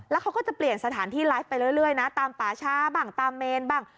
แล้วเขาก็จะเปลี่ยนสถานที่ไลฟ์ไปเรื่อยนะตามป่าช้าบ้างตามเมนบ้าง